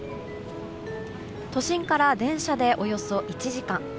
都心から電車でおよそ１時間。